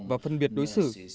và phân biệt đối xử